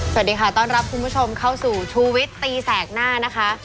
สวัสดีค่ะต้อนรับคุณผู้ชมเข้าสู่ชูวิตตีแสกหน้านะคะ